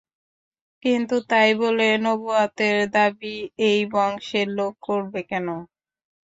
কিন্তু তাই বলে নবুওয়াতের দাবী এই বংশের লোক করবে কেন?